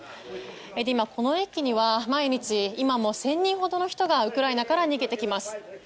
今この駅には毎日今１０００人ほどの人がウクライナから逃げてきます。